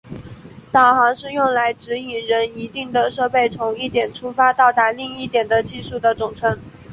导航是用来指引人一定的设备从一点出发到达另一点的技术的总称。